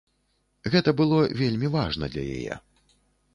Гэта было вельмі важна для яе.